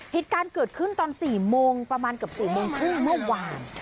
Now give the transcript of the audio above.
เหตุการณ์เกิดขึ้นตอน๔โมงประมาณเกือบ๔โมงครึ่งเมื่อวาน